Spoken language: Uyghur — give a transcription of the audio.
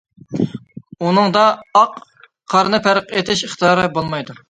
ئۇنىڭدا ئاق قارىنى پەرق ئېتىش ئىقتىدارى بولىدۇ.